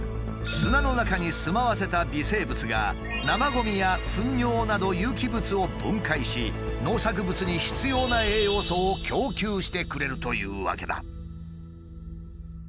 砂の中に住まわせた微生物が生ごみやふん尿など有機物を分解し農作物に必要な栄養素を供給してくれるというわけだ。